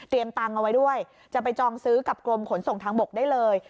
ตังค์เอาไว้ด้วยจะไปจองซื้อกับกรมขนส่งทางบกได้เลย